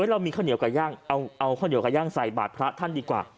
เรามีข้าวเหนียวไก่ย่างเอาข้าวเหนียวไก่ย่างใส่บาทพระท่านดีกว่า